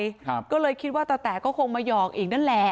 ครับก็เลยคิดว่าตาแต๋ก็คงมาหยอกอีกนั่นแหละ